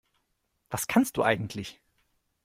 Was kannst du eigentlich?